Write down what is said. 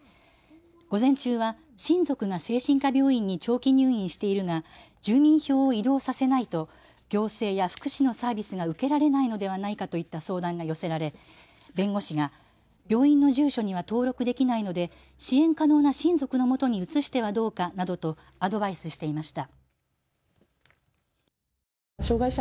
午前中は親族が精神科病院に長期入院しているが住民票を移動させないと行政や福祉のサービスが受けられないのではないかといった相談が寄せられ弁護士が病院の住所には登録できないので支援可能な親族のもとに移してはどうかなどとアドバイスしていました。